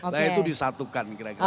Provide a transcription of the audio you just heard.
nah itu disatukan kira kira